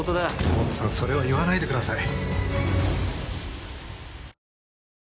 モツさんそれを言わないでください。